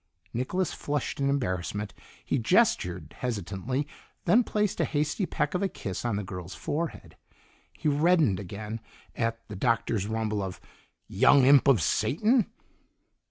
Nicholas flushed in embarrassment; he gestured hesitantly, then placed a hasty peck of a kiss on the girl's forehead. He reddened again at the Doctor's rumble of "Young imp of Satan!"